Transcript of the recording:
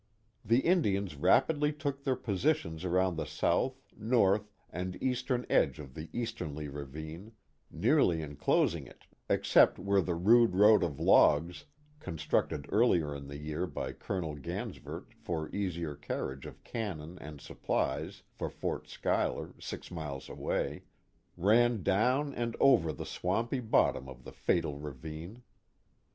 The Indians rapidly took their positions around the south, north, and eastern edge of the easterly ravine, nearly enclosing it except where the rude road of logs (constructed earlier in the year by Colonel Gansevoort for easier carriage of cannon and supplies for Fort Schuyler, six miles away) ran down and over the swampy bottom of the fatal ravine.